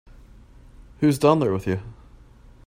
Who's down there with you?